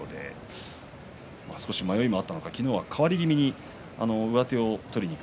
少し迷いもあったのか昨日は変わり気味に上手を取りにいく。